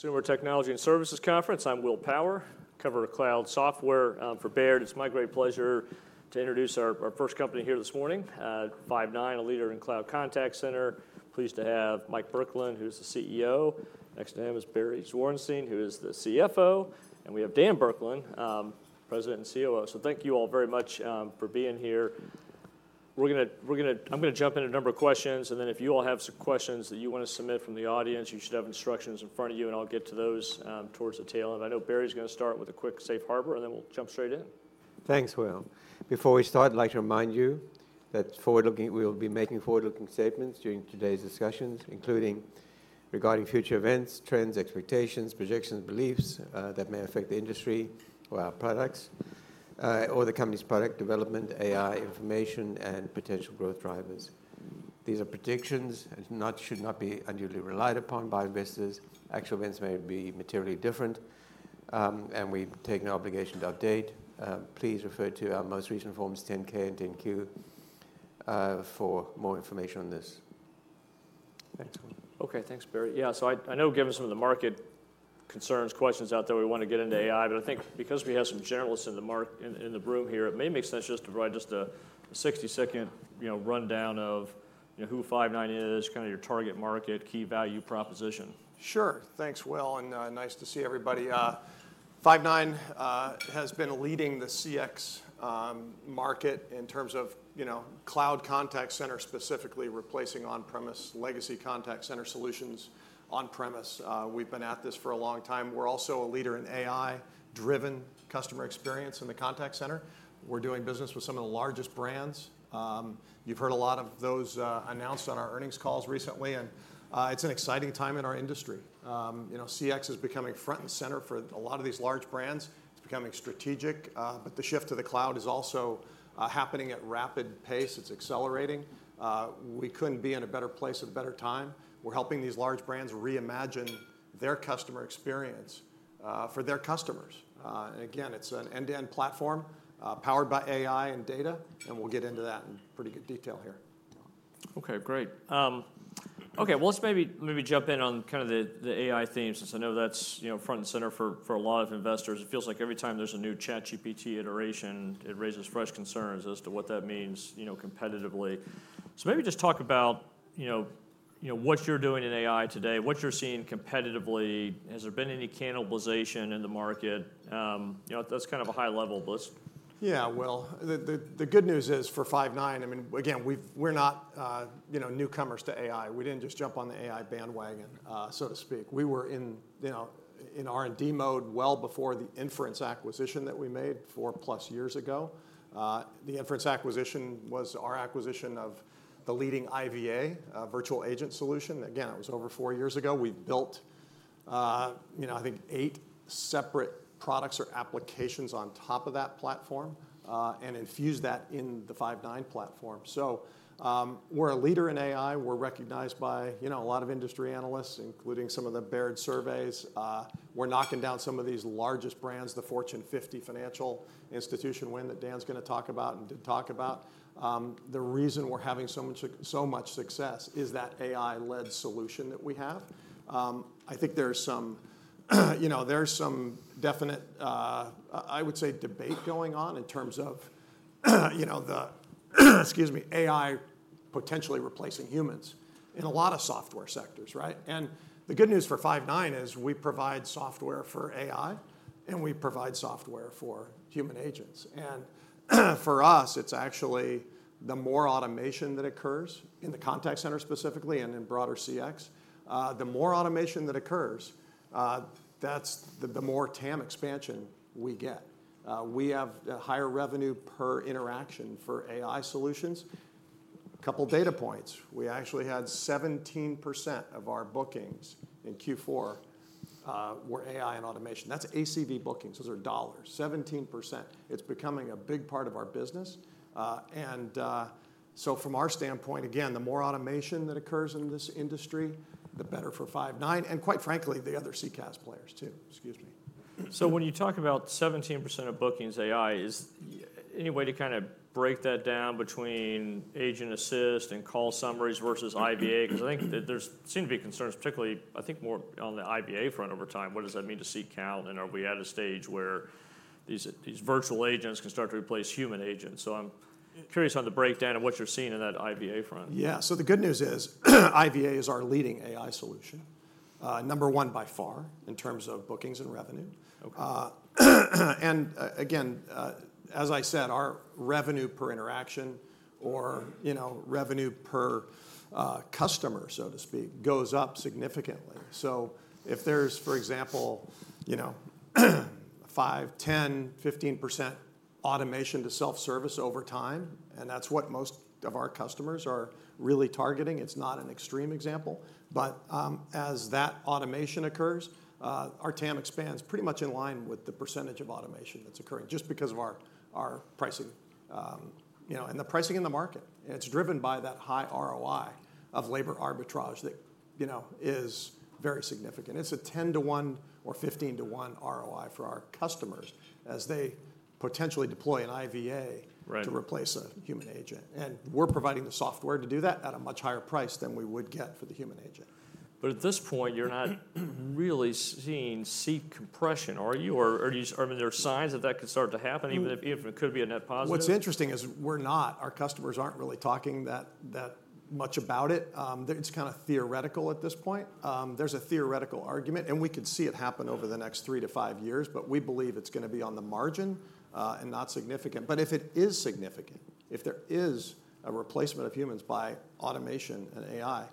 Consumer Technology and Services Conference. I'm Will Power, cover cloud software for Baird. It's my great pleasure to introduce our first company here this morning, Five9, a leader in cloud contact center. Pleased to have Mike Burkland, who's the CEO. Next to him is Barry Zwarenstein, who is the CFO, and we have Dan Burkland, President and COO. So thank you all very much for being here. We're gonna. I'm gonna jump into a number of questions, and then if you all have some questions that you want to submit from the audience, you should have instructions in front of you, and I'll get to those towards the tail end. I know Barry's gonna start with a quick safe harbor, and then we'll jump straight in. Thanks, Will. Before we start, I'd like to remind you that forward-looking- we will be making forward-looking statements during today's discussions, including regarding future events, trends, expectations, projections, beliefs, that may affect the industry or our products, or the company's product development, AI information, and potential growth drivers. These are predictions, and not- should not be unduly relied upon by investors. Actual events may be materially different, and we take no obligation to update. Please refer to our most recent Forms 10-K and 10-Q for more information on this. Thanks, Will. Okay, thanks, Barry. Yeah, so I know given some of the market concerns, questions out there, we want to get into AI, but I think because we have some journalists in the room here, it may make sense just to provide a 60-second, you know, rundown of, you know, who Five9 is, kinda your target market, key value proposition. Sure. Thanks, Will, and, nice to see everybody. Five9 has been leading the CX market in terms of, you know, cloud contact center, specifically replacing on-premises legacy contact center solutions on-premises. We've been at this for a long time. We're also a leader in AI-driven customer experience in the contact center. We're doing business with some of the largest brands. You've heard a lot of those announced on our earnings calls recently, and it's an exciting time in our industry. You know, CX is becoming front and center for a lot of these large brands. It's becoming strategic, but the shift to the cloud is also happening at rapid pace. It's accelerating. We couldn't be in a better place at a better time. We're helping these large brands reimagine their customer experience for their customers. And again, it's an end-to-end platform, powered by AI and data, and we'll get into that in pretty good detail here. Okay, great. Okay, well, let's maybe jump in on kind of the AI theme, since I know that's, you know, front and center for a lot of investors. It feels like every time there's a new ChatGPT iteration, it raises fresh concerns as to what that means, you know, competitively. So maybe just talk about, you know, what you're doing in AI today, what you're seeing competitively. Has there been any cannibalization in the market? You know, that's kind of a high-level blitz. Yeah, Will. The good news is for Five9, I mean, again, we're not, you know, newcomers to AI. We didn't just jump on the AI bandwagon, so to speak. We were in R&D mode well before the Inference acquisition that we made 4+ years ago. The Inference acquisition was our acquisition of the leading IVA, virtual agent solution. Again, it was over 4 years ago. We built, I think 8 separate products or applications on top of that platform, and infused that in the Five9 platform. So, we're a leader in AI. We're recognized by, you know, a lot of industry analysts, including some of the Baird surveys. We're knocking down some of these largest brands, the Fortune 50 financial institution win that Dan's gonna talk about and did talk about. The reason we're having so much success is that AI-led solution that we have. I think there's some, you know, there's some definite, I would say, debate going on in terms of, you know, the, excuse me, AI potentially replacing humans in a lot of software sectors, right? And the good news for Five9 is we provide software for AI, and we provide software for human agents. And, for us, it's actually the more automation that occurs in the contact center specifically and in broader CX, the more automation that occurs, that's the, the more TAM expansion we get. We have a higher revenue per interaction for AI solutions. A couple data points: We actually had 17% of our bookings in Q4 were AI and automation. That's ACV bookings, those are dollars, 17%. It's becoming a big part of our business. So from our standpoint, again, the more automation that occurs in this industry, the better for Five9, and quite frankly, the other CCaaS players, too. Excuse me. So when you talk about 17% of bookings AI, is there any way to kinda break that down between Agent Assist and call summaries versus IVA? 'Cause I think that there seem to be concerns, particularly, I think, more on the IVA front over time. What does that mean to seat count, and are we at a stage where these, these virtual agents can start to replace human agents? So I'm curious on the breakdown of what you're seeing in that IVA front. Yeah. So the good news is, IVA is our leading AI solution, number one by far, in terms of bookings and revenue. Okay. Again, as I said, our revenue per interaction or, you know, revenue per customer, so to speak, goes up significantly. So if there's, for example, you know, 5, 10, 15% automation to self-service over time, and that's what most of our customers are really targeting, it's not an extreme example, but as that automation occurs, our TAM expands pretty much in line with the percentage of automation that's occurring, just because of our pricing, you know, and the pricing in the market. It's driven by that high ROI of labor arbitrage that, you know, is very significant. It's a 10-to-1 or 15-to-1 ROI for our customers as they potentially deploy an IVA. Right to replace a human agent. We're providing the software to do that at a much higher price than we would get for the human agent. But at this point, you're not really seeing seat compression, are you? Or, or do you, are there signs that that could start to happen, even if, even if it could be a net positive? What's interesting is we're not, our customers aren't really talking that, that much about it. It's kind of theoretical at this point. There's a theoretical argument, and we could see it happen over the next 3-5 years, but we believe it's going to be on the margin, and not significant. But if it is significant, if there is a replacement of humans by automation and AI,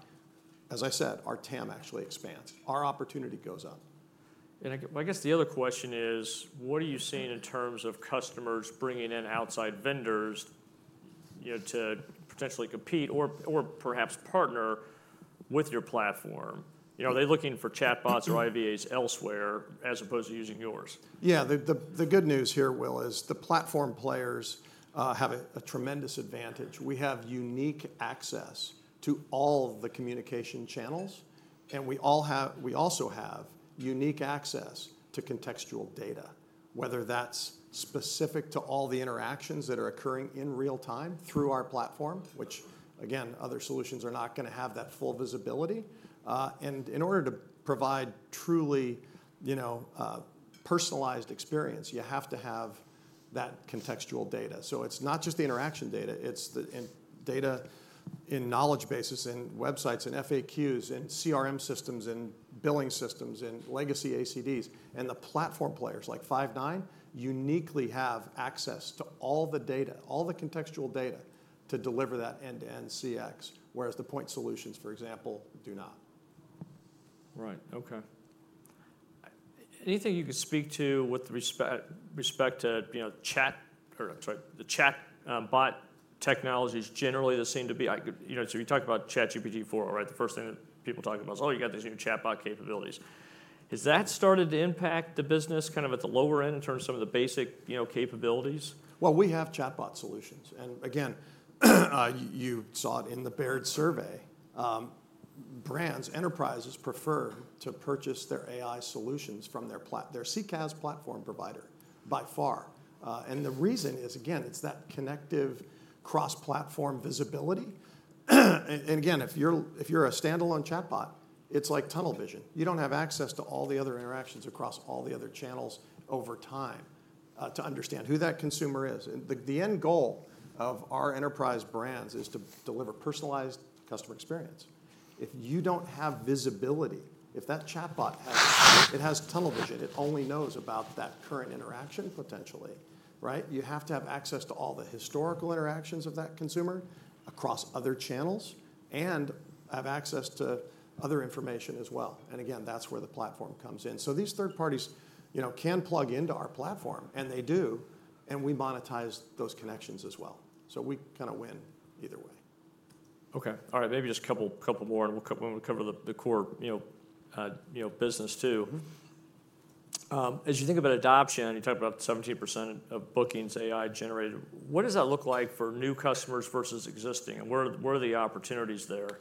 as I said, our TAM actually expands. Our opportunity goes up. I guess the other question is, what are you seeing in terms of customers bringing in outside vendors, you know, to potentially compete or, or perhaps partner with your platform? You know, are they looking for chatbots or IVAs elsewhere, as opposed to using yours? Yeah, the good news here, Will, is the platform players have a tremendous advantage. We have unique access to all the communication channels, and we also have unique access to contextual data, whether that's specific to all the interactions that are occurring in real time through our platform, which again, other solutions are not going to have that full visibility. And in order to provide truly, you know, personalized experience, you have to have that contextual data. So it's not just the interaction data, it's the internal data in knowledge bases, in websites, in FAQs, in CRM systems, in billing systems, in legacy ACDs. And the platform players, like Five9, uniquely have access to all the data, all the contextual data, to deliver that end-to-end CX, whereas the point solutions, for example, do not. Right. Okay. Anything you could speak to with respect to, you know, chat, or sorry, the chatbot technologies generally that seem to be... I could, you know, so you talk about ChatGPT-4, right? The first thing that people talk about is, "Oh, you got these new chatbot capabilities." Has that started to impact the business kind of at the lower end in terms of some of the basic, you know, capabilities? Well, we have chatbot solutions, and again, you saw it in the Baird survey. Brands, enterprises prefer to purchase their AI solutions from their CCaaS platform provider, by far. And the reason is, again, it's that connective cross-platform visibility. And again, if you're a standalone chatbot, it's like tunnel vision. You don't have access to all the other interactions across all the other channels over time to understand who that consumer is. And the end goal of our enterprise brands is to deliver personalized customer experience. If you don't have visibility, if that chatbot it has tunnel vision, it only knows about that current interaction, potentially, right? You have to have access to all the historical interactions of that consumer across other channels and have access to other information as well. And again, that's where the platform comes in. So these third parties, you know, can plug into our platform, and they do, and we monetize those connections as well. So we kind of win either way. Okay. All right, maybe just a couple more, and we'll cover the core, you know, business, too. Mm-hmm. As you think about adoption, you talked about 17% of bookings AI generated. What does that look like for new customers versus existing, and where are the opportunities there?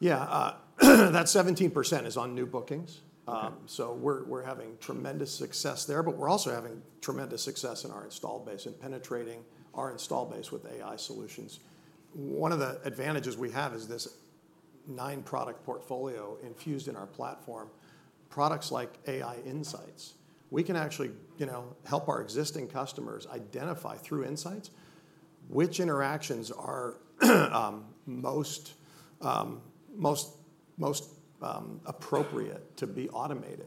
Yeah, that 17% is on new bookings. Okay. So we're having tremendous success there, but we're also having tremendous success in our install base and penetrating our install base with AI solutions. One of the advantages we have is this 9-product portfolio infused in our platform, products like AI Insights. We can actually, you know, help our existing customers identify, through insights, which interactions are most appropriate to be automated,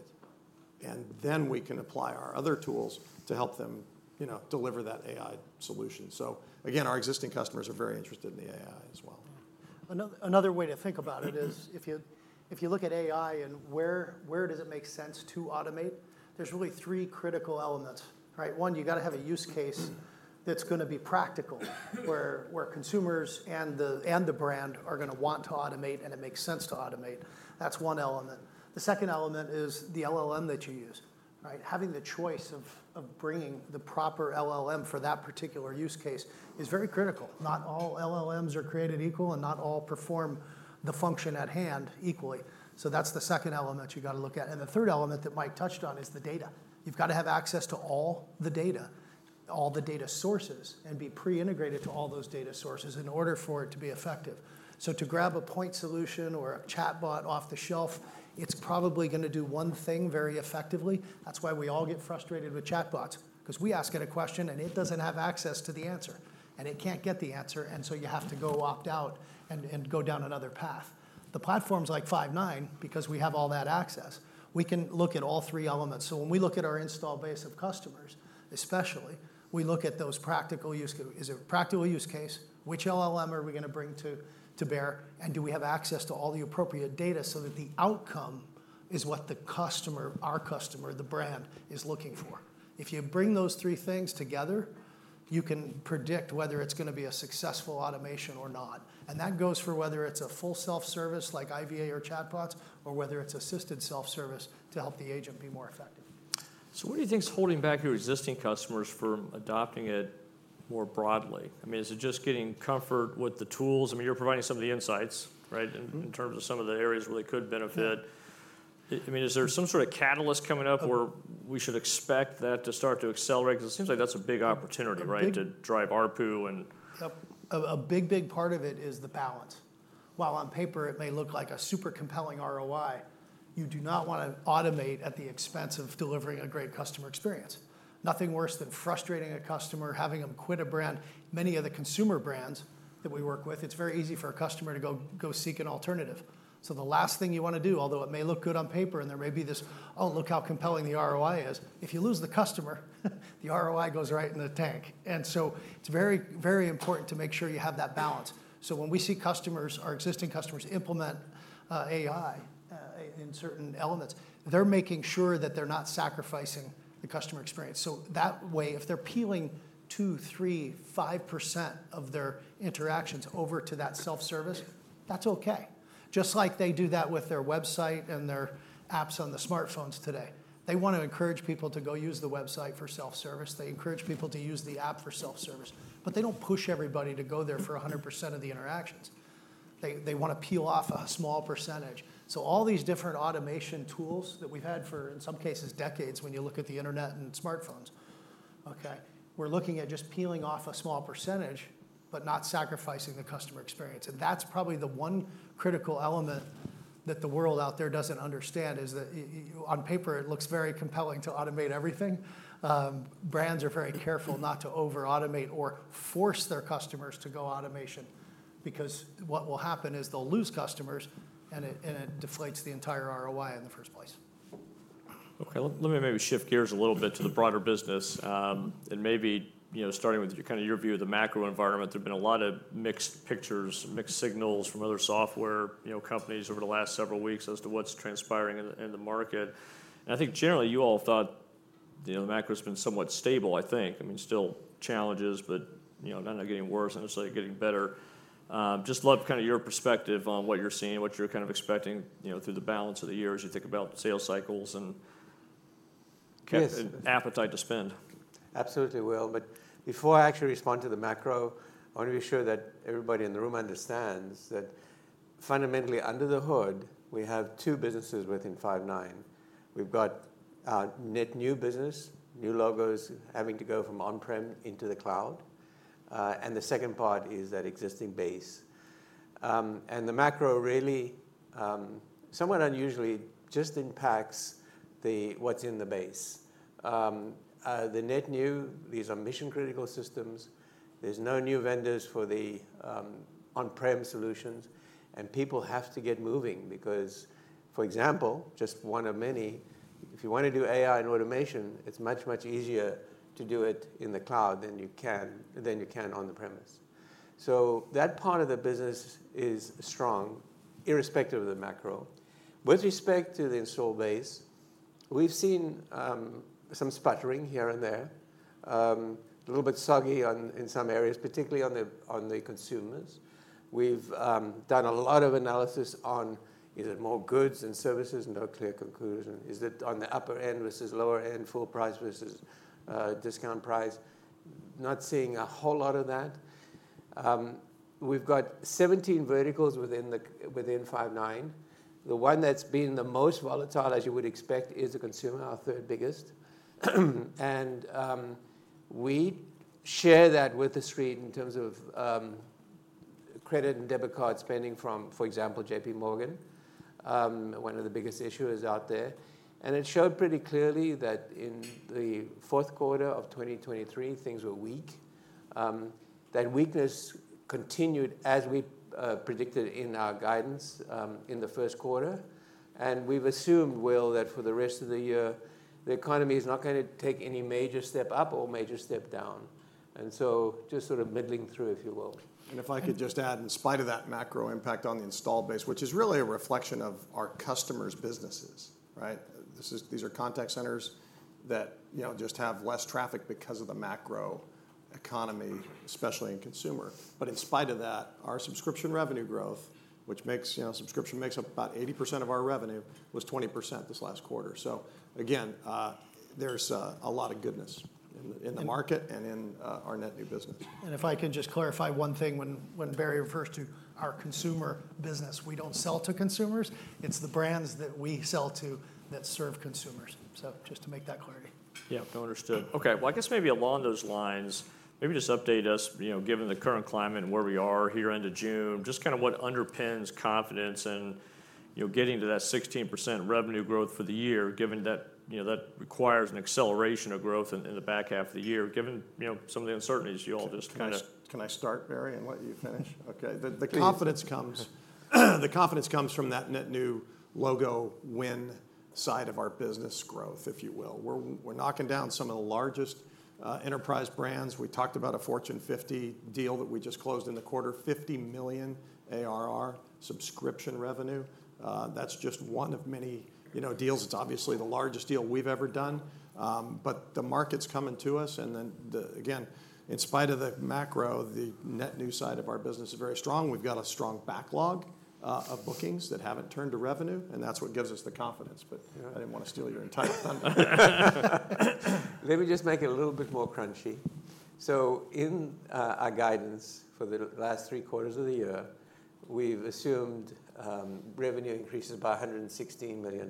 and then we can apply our other tools to help them, you know, deliver that AI solution. So again, our existing customers are very interested in the AI as well. Another way to think about it is, if you look at AI and where does it make sense to automate, there's really three critical elements, right? One, you've got to have a use case that's going to be practical, where consumers and the brand are going to want to automate, and it makes sense to automate. That's one element. The second element is the LLM that you use, right? Having the choice of bringing the proper LLM for that particular use case is very critical. Not all LLMs are created equal, and not all perform the function at hand equally. So that's the second element you've got to look at. And the third element that Mike touched on is the data. You've got to have access to all the data, all the data sources, and be pre-integrated to all those data sources in order for it to be effective. So to grab a point solution or a chatbot off the shelf, it's probably going to do one thing very effectively. That's why we all get frustrated with chatbots because we ask it a question, and it doesn't have access to the answer, and it can't get the answer, and so you have to go opt out and go down another path. The platforms like Five9, because we have all that access, we can look at all three elements. So when we look at our install base of customers, especially, we look at those practical uses. Is it a practical use case? Which LLM are we going to bring to bear? Do we have access to all the appropriate data so that the outcome is what the customer, our customer, the brand, is looking for? If you bring those three things together, you can predict whether it's going to be a successful automation or not. That goes for whether it's a full self-service, like IVA or chatbots, or whether it's assisted self-service to help the agent be more effective. So what do you think is holding back your existing customers from adopting it more broadly? I mean, is it just getting comfort with the tools? I mean, you're providing some of the insights, right? Mm-hmm... in terms of some of the areas where they could benefit. I mean, is there some sort of catalyst coming up where we should expect that to start to accelerate? 'Cause it seems like that's a big opportunity, right, to drive ARPU and- A big, big part of it is the balance. While on paper it may look like a super compelling ROI, you do not want to automate at the expense of delivering a great customer experience. Nothing worse than frustrating a customer, having them quit a brand. Many of the consumer brands that we work with, it's very easy for a customer to go seek an alternative. So the last thing you want to do, although it may look good on paper, and there may be this, "Oh, look how compelling the ROI is," if you lose the customer, the ROI goes right in the tank. And so it's very, very important to make sure you have that balance. So when we see customers, our existing customers, implement AI in certain elements, they're making sure that they're not sacrificing the customer experience. So that way, if they're peeling 2, 3, 5% of their interactions over to that self-service, that's okay. Just like they do that with their website and their apps on the smartphones today. They want to encourage people to go use the website for self-service. They encourage people to use the app for self-service, but they don't push everybody to go there for 100% of the interactions. They, they want to peel off a small percentage. So all these different automation tools that we've had for, in some cases, decades, when you look at the internet and smartphones, okay? We're looking at just peeling off a small percentage, but not sacrificing the customer experience, and that's probably the one critical element that the world out there doesn't understand, is that on paper, it looks very compelling to automate everything. Brands are very careful not to over-automate or force their customers to go automation, because what will happen is they'll lose customers, and it deflates the entire ROI in the first place. Okay, let me maybe shift gears a little bit to the broader business. And maybe, you know, starting with kind of your view of the macro environment, there have been a lot of mixed pictures, mixed signals from other software, you know, companies over the last several weeks as to what's transpiring in the, in the market. And I think generally, you all thought, you know, the macro has been somewhat stable, I think. I mean, still challenges, but, you know, not getting worse, necessarily getting better. Just love kind of your perspective on what you're seeing, what you're kind of expecting, you know, through the balance of the year as you think about sales cycles and- Yes... appetite to spend. Absolutely, Will. But before I actually respond to the macro, I want to be sure that everybody in the room understands that fundamentally, under the hood, we have two businesses within Five9. We've got our net new business, new logos having to go from on-premises into the cloud. And the second part is that existing base. And the macro really, somewhat unusually, just impacts the, what's in the base. The net new, these are mission-critical systems. There's no new vendors for the, on-premises solutions, and people have to get moving because, for example, just one of many, if you want to do AI and automation, it's much, much easier to do it in the cloud than you can, than you can on-premises. So that part of the business is strong, irrespective of the macro. With respect to the install base, we've seen some sputtering here and there, a little bit soggy in some areas, particularly on the consumers. We've done a lot of analysis on is it more goods than services? No clear conclusion. Is it on the upper end versus lower end, full price versus discount price? Not seeing a whole lot of that. We've got 17 verticals within Five9. The one that's been the most volatile, as you would expect, is the consumer, our third biggest. And we share that with the street in terms of credit and debit card spending from, for example, J.P. Morgan, one of the biggest issuers out there. And it showed pretty clearly that in the fourth quarter of 2023, things were weak. That weakness continued as we predicted in our guidance in the first quarter, and we've assumed, Will, that for the rest of the year, the economy is not going to take any major step up or major step down, and so just sort of middling through, if you will. And if I could just add, in spite of that macro impact on the install base, which is really a reflection of our customers' businesses, right? This is- these are contact centers that, you know, just have less traffic because of the macro economy, especially in consumer. But in spite of that, our subscription revenue growth, which makes, you know, subscription makes up about 80% of our revenue, was 20% this last quarter. So again, there's a lot of goodness in the market and in our net new business. And if I could just clarify one thing, when Barry refers to our consumer business, we don't sell to consumers. It's the brands that we sell to that serve consumers. So just to make that clarity. Yep, no, understood. Okay, well, I guess maybe along those lines, maybe just update us, you know, given the current climate and where we are here end of June, just kind of what underpins confidence and, you know, getting to that 16% revenue growth for the year, given that, you know, that requires an acceleration of growth in, in the back half of the year, given, you know, some of the uncertainties you all just kind of- Can I, can I start, Barry, and let you finish? Okay. Please. The confidence comes from that net new logo win side of our business growth, if you will. We're knocking down some of the largest enterprise brands. We talked about a Fortune 50 deal that we just closed in the quarter, $50 million ARR subscription revenue. That's just one of many, you know, deals. It's obviously the largest deal we've ever done. But the market's coming to us, and then again, in spite of the macro, the net new side of our business is very strong. We've got a strong backlog of bookings that haven't turned to revenue, and that's what gives us the confidence. But- Yeah... I didn't want to steal your entire thunder. Let me just make it a little bit more crunchy. So in our guidance for the last three quarters of the year, we've assumed revenue increases by $116 million.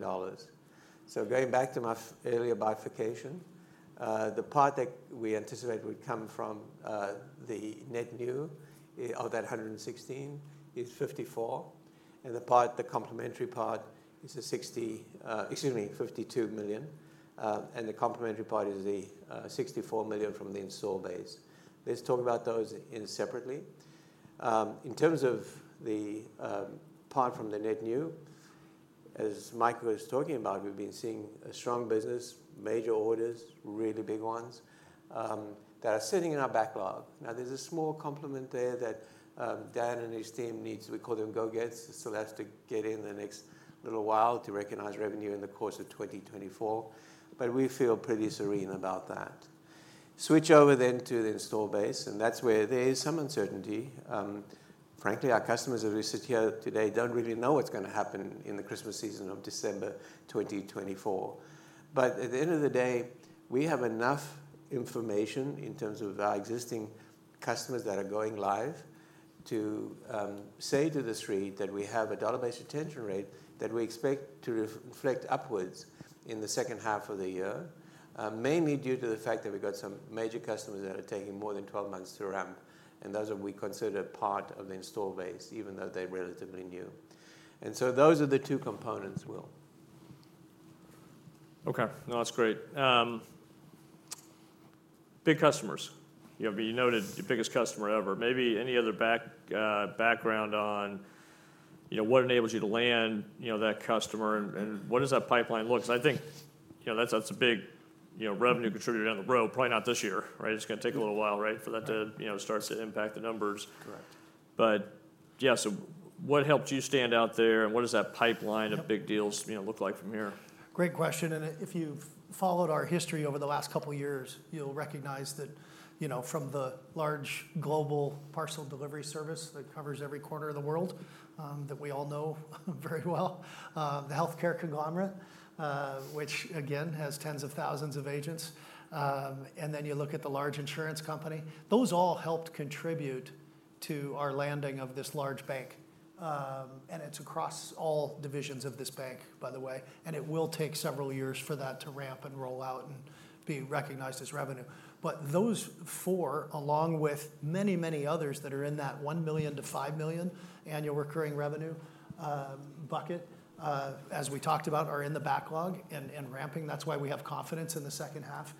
So going back to my earlier bifurcation, the part that we anticipate would come from the net new, of that 116 is 54, and the part, the complementary part, is the sixty, excuse me, $52 million. And the complementary part is the $64 million from the install base. Let's talk about those in separately. In terms of the part from the net new, as Michael was talking about, we've been seeing a strong business, major orders, really big ones that are sitting in our backlog. Now, there's a small complement there that Dan and his team needs, we call them go-gets. So that's to get in the next little while to recognize revenue in the course of 2024, but we feel pretty serene about that. Switch over then to the install base, and that's where there is some uncertainty. Frankly, our customers, as we sit here today, don't really know what's gonna happen in the Christmas season of December 2024. But at the end of the day, we have enough information in terms of our existing customers that are going live to say to the street that we have a dollar-based retention rate that we expect to reflect upwards in the second half of the year, mainly due to the fact that we got some major customers that are taking more than 12 months to ramp, and those are we consider part of the install base, even though they're relatively new. And so those are the two components, Will. Okay, no, that's great. Big customers. You know, you noted your biggest customer ever. Maybe any other background on, you know, what enables you to land, you know, that customer and, and what does that pipeline look? 'Cause I think, you know, that's, that's a big, you know, revenue contributor down the road. Probably not this year, right? It's gonna take a little while, right, for that to, you know, start to impact the numbers. Correct. But yeah, so what helped you stand out there, and what does that pipeline of big deals, you know, look like from here? Great question, and if you've followed our history over the last couple of years, you'll recognize that, you know, from the large global parcel delivery service that covers every corner of the world, that we all know very well, the healthcare conglomerate, which again, has tens of thousands of agents. And then you look at the large insurance company. Those all helped contribute to our landing of this large bank. And it's across all divisions of this bank, by the way, and it will take several years for that to ramp and roll out and be recognized as revenue. But those four, along with many, many others that are in that 1 million-5 million annual recurring revenue bucket, as we talked about, are in the backlog and ramping. That's why we have confidence in the second half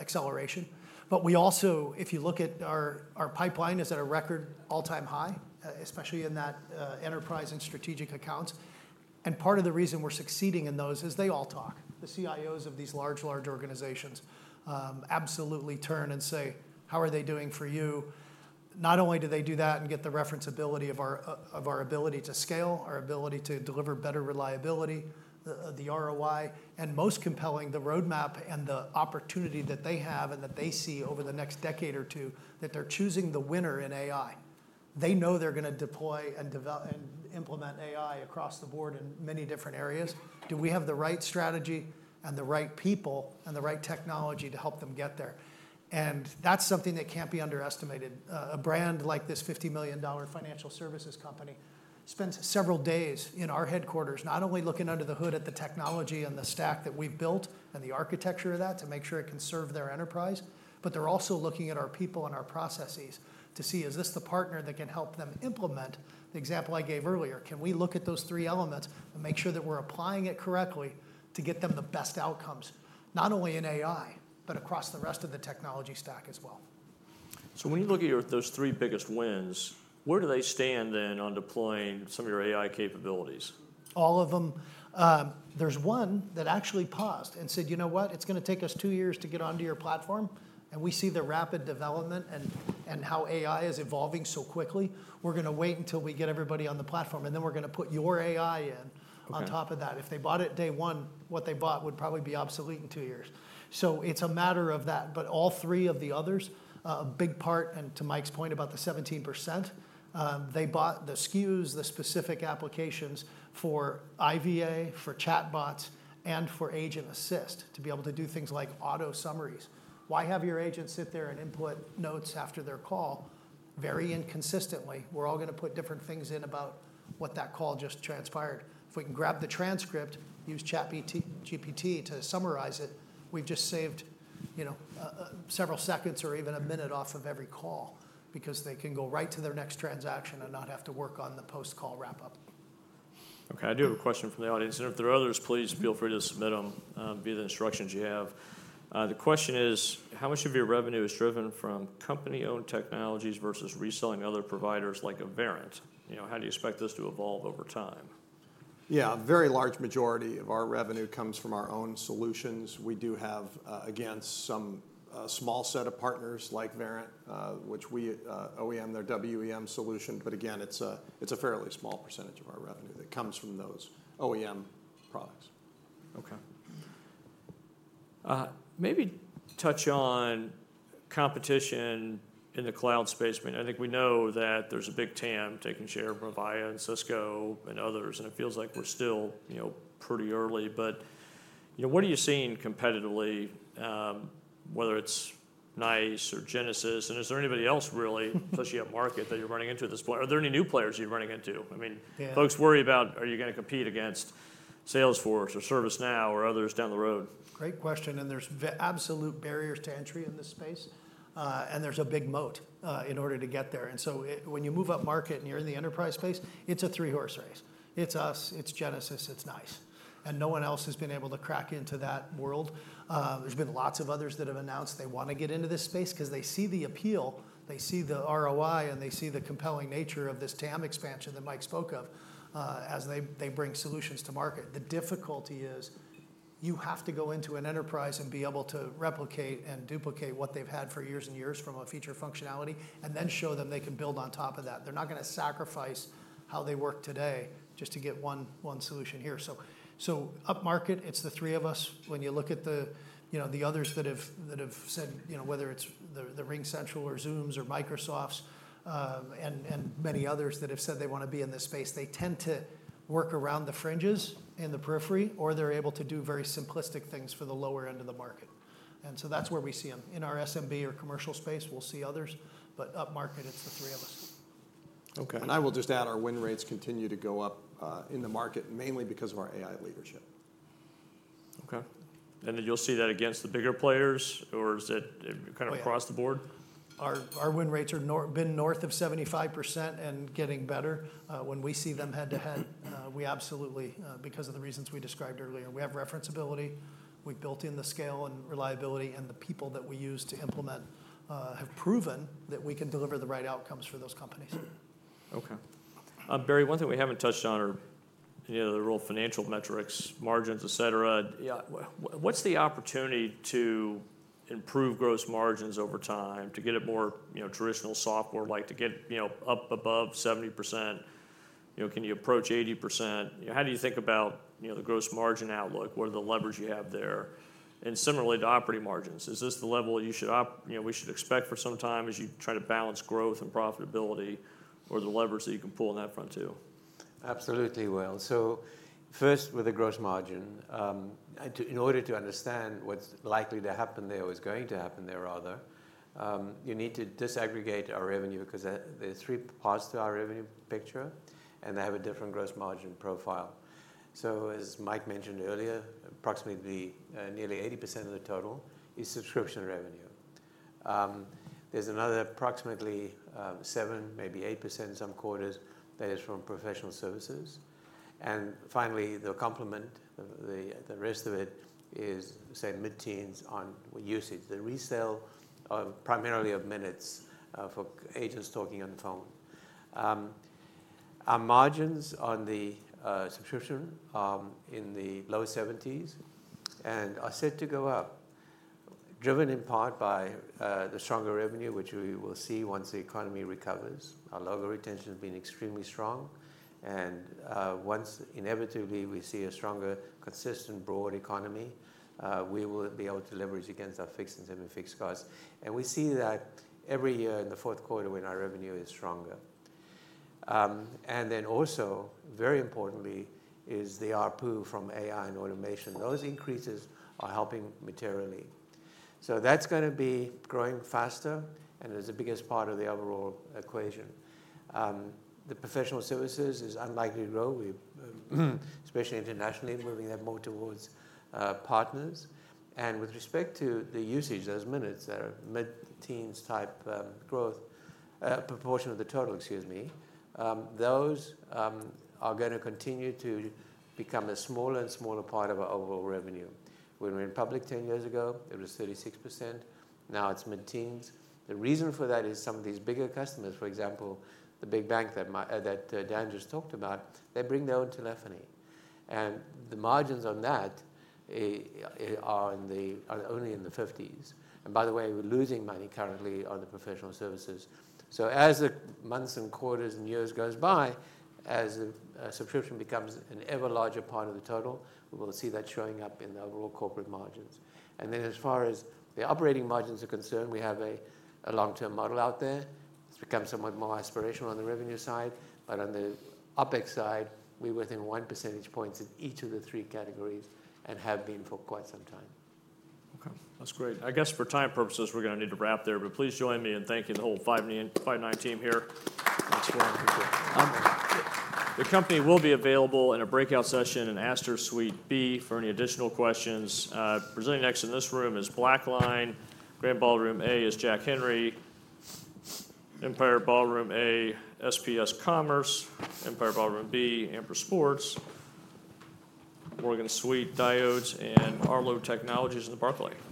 acceleration. But we also, if you look at our pipeline is at a record all-time high, especially in that enterprise and strategic accounts. And part of the reason we're succeeding in those is they all talk. The CIOs of these large, large organizations absolutely turn and say: How are they doing for you? Not only do they do that and get the referenceability of our ability to scale, our ability to deliver better reliability, the ROI, and most compelling, the roadmap and the opportunity that they have and that they see over the next decade or two, that they're choosing the winner in AI. They know they're gonna deploy and develop and implement AI across the board in many different areas. Do we have the right strategy and the right people and the right technology to help them get there? That's something that can't be underestimated. A brand like this $50 million financial services company spends several days in our headquarters, not only looking under the hood at the technology and the stack that we've built and the architecture of that to make sure it can serve their enterprise, but they're also looking at our people and our processes to see, is this the partner that can help them implement the example I gave earlier? Can we look at those three elements and make sure that we're applying it correctly to get them the best outcomes, not only in AI, but across the rest of the technology stack as well. When you look at your, those three biggest wins, where do they stand then on deploying some of your AI capabilities? All of them. There's one that actually paused and said: "You know what? It's gonna take us two years to get onto your platform, and we see the rapid development and, and how AI is evolving so quickly. We're gonna wait until we get everybody on the platform, and then we're gonna put your AI in- Okay... on top of that." If they bought it day one, what they bought would probably be obsolete in two years. So it's a matter of that. But all three of the others, a big part, and to Mike's point about the 17%, they bought the SKUs, the specific applications for IVA, for chatbots, and for Agent Assist, to be able to do things like auto summaries. Why have your agent sit there and input notes after their call very inconsistently? We're all gonna put different things in about what that call just transpired. If we can grab the transcript, use ChatGPT to summarize it, we've just saved, you know, several seconds or even a minute off of every call because they can go right to their next transaction and not have to work on the post-call wrap-up. Okay, I do have a question from the audience, and if there are others, please feel free to submit them via the instructions you have. The question is: How much of your revenue is driven from company-owned technologies versus reselling other providers like a Verint? You know, how do you expect this to evolve over time? Yeah, a very large majority of our revenue comes from our own solutions. We do have, again, some small set of partners like Verint, which we OEM their WEM solution, but again, it's a fairly small percentage of our revenue that comes from those OEM products. Okay. Maybe touch on competition in the cloud space. I mean, I think we know that there's a big TAM taking share from Avaya and Cisco and others, and it feels like we're still, you know, pretty early, but... You know, what are you seeing competitively, whether it's NICE or Genesys, and is there anybody else really, especially upmarket, that you're running into at this point? Are there any new players you're running into? I mean- Yeah. folks worry about, are you gonna compete against Salesforce or ServiceNow or others down the road? Great question, and there's absolute barriers to entry in this space. And there's a big moat in order to get there. And so it, when you move upmarket and you're in the enterprise space, it's a three-horse race. It's us, it's Genesys, it's NICE, and no one else has been able to crack into that world. There's been lots of others that have announced they want to get into this space 'cause they see the appeal, they see the ROI, and they see the compelling nature of this TAM expansion that Mike spoke of, as they bring solutions to market. The difficulty is, you have to go into an enterprise and be able to replicate and duplicate what they've had for years and years from a feature functionality, and then show them they can build on top of that. They're not gonna sacrifice how they work today just to get one solution here. So upmarket, it's the three of us. When you look at the, you know, the others that have said, you know, whether it's the RingCentral or Zoom or Microsoft, and many others that have said they wanna be in this space, they tend to work around the fringes and the periphery, or they're able to do very simplistic things for the lower end of the market. And so that's where we see 'em. In our SMB or commercial space, we'll see others, but upmarket, it's the three of us. Okay. I will just add, our win rates continue to go up in the market, mainly because of our AI leadership. Okay. And you'll see that against the bigger players, or is it kind of across the board? Our win rates have now been north of 75% and getting better. When we see them head-to-head, we absolutely because of the reasons we described earlier. We have referenceability, we've built in the scale and reliability, and the people that we use to implement have proven that we can deliver the right outcomes for those companies. Okay. Barry, one thing we haven't touched on are, you know, the real financial metrics, margins, et cetera. Yeah. What's the opportunity to improve gross margins over time, to get it more, you know, traditional software, like to get, you know, up above 70%? You know, can you approach 80%? How do you think about, you know, the gross margin outlook? What are the levers you have there? And similarly, to operating margins, is this the level you should, you know, we should expect for some time as you try to balance growth and profitability, or the levers that you can pull on that front, too? Absolutely, Will. So first, with the gross margin, in order to understand what's likely to happen there, or is going to happen there rather, you need to disaggregate our revenue, 'cause there's three parts to our revenue picture, and they have a different gross margin profile. So as Mike mentioned earlier, approximately nearly 80% of the total is subscription revenue. There's another approximately 7, maybe 8% in some quarters. That is from professional services. And finally, the complement, the rest of it is, say, mid-teens on usage, the resale of primarily of minutes for agents talking on the phone. Our margins on the subscription are in the low 70s% and are set to go up, driven in part by the stronger revenue, which we will see once the economy recovers. Our logo retention has been extremely strong, and, once inevitably we see a stronger, consistent, broad economy, we will be able to leverage against our fixed and semi-fixed costs. And we see that every year in the fourth quarter when our revenue is stronger. And then also, very importantly, is the ARPU from AI and automation. Those increases are helping materially. So that's gonna be growing faster and is the biggest part of the overall equation. The professional services is unlikely to grow, we, especially internationally, moving that more towards, partners. And with respect to the usage, those minutes that are mid-teens type, growth, proportion of the total, excuse me, those, are gonna continue to become a smaller and smaller part of our overall revenue. When we went public ten years ago, it was 36%. Now it's mid-teens. The reason for that is some of these bigger customers, for example, the big bank that Dan just talked about, they bring their own telephony, and the margins on that are only in the 50s%. And by the way, we're losing money currently on the professional services. So as the months and quarters and years goes by, as subscription becomes an ever larger part of the total, we will see that showing up in the overall corporate margins. And then as far as the operating margins are concerned, we have a long-term model out there. It's become somewhat more aspirational on the revenue side, but on the OpEx side, we're within one percentage points in each of the three categories and have been for quite some time. Okay, that's great. I guess for time purposes, we're gonna need to wrap there, but please join me in thanking the whole Five9, Five9 team here. Thanks for coming. Thank you. The company will be available in a breakout session in Astor Suite B for any additional questions. Presenting next in this room is BlackLine, Grand Ballroom A is Jack Henry, Empire Ballroom A, SPS Commerce, Empire Ballroom B, Amer Sports, Morgan Suite, Diodes, and Arlo Technologies in the Park Lane. Thank you. That's a-